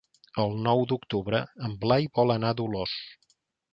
El nou d'octubre en Blai vol anar a Dolors.